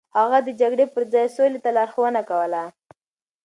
هغه د جګړې پر ځای سولې ته لارښوونه کوله.